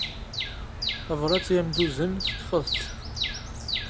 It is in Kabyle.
Tabrat i am-d-tuzen teṭṭfeḍ-tt.